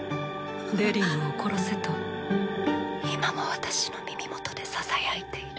デリングを殺せ」と今も私の耳元でささやいている。